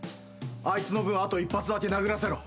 あいつの分あと１発だけ殴らせろ。